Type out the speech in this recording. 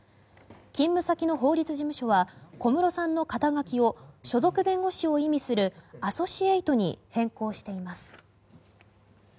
勤務先の法律事務所は小室さんの肩書を所属弁護士を意味するアソシエイトに変更しています。